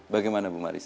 bagaimana bu marissa